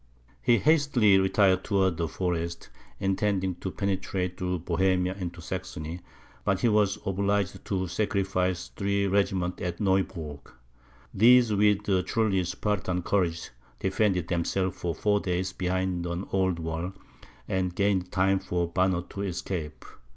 He hastily retired towards the Forest, intending to penetrate through Bohemia into Saxony; but he was obliged to sacrifice three regiments at Neuburg. These with a truly Spartan courage, defended themselves for four days behind an old wall, and gained time for Banner to escape.